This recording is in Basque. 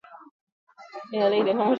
Esaterako, botin batzuekin.